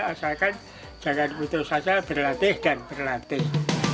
asalkan jangan putus saja berlatih dan berlatih